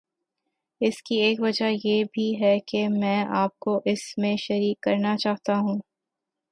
اس کی ایک وجہ یہ بھی ہے کہ میں آپ کو اس میں شریک کرنا چاہتا ہوں۔